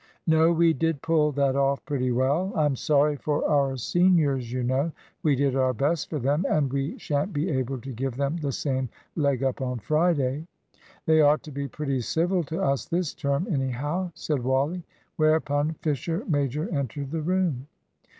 "No, we did pull that off pretty well. I'm sorry for our seniors, you know. We did our best for them, and we shan't be able to give them the same leg up on Friday." "They ought to be pretty civil to us this term, anyhow," said Wally. Whereupon Fisher major entered the room.